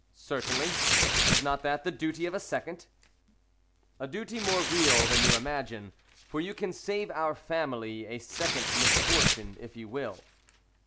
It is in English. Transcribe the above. "Certainly. Is not that the duty of a second?" "A duty more real than you imagine, for you can save our family a second misfortune if you will."